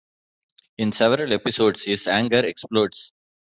In several episodes, his anger explodes.